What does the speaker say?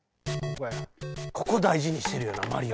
ここ大事にしてるよな『マリオ』って。